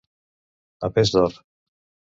A pes d'or.